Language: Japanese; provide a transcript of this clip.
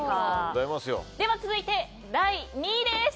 続いて、第２位です。